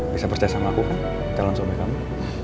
bisa percaya sama aku calon suami kamu